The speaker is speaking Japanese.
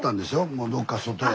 もうどっか外へ。